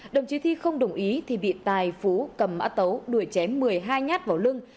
đồng chí thi không đồng ý thì bị tài phú cầm mã tấu đuổi chém một mươi hai nhát vào lưng